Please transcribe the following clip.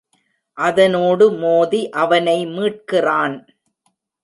அதனோடு மோதி அவனை மீட்கிறான்.